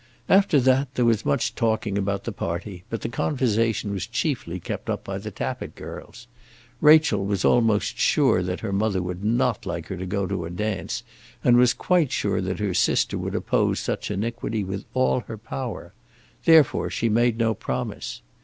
After that, there was much talking about the party, but the conversation was chiefly kept up by the Tappitt girls. Rachel was almost sure that her mother would not like her to go to a dance, and was quite sure that her sister would oppose such iniquity with all her power; therefore she made no promise.